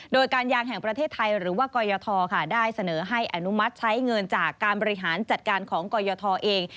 โดยการยางแห่งประเทศไทยหรือว่ากรยทได้เสนอให้อนุมัติใช้เงินจากการบริหารจัดการของกรยทเอง